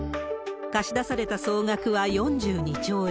貸し出された総額は４２兆円。